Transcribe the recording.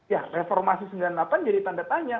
ya reformasi sembilan puluh delapan jadi tanda tanya